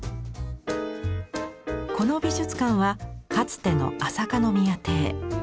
この美術館はかつての朝香宮邸。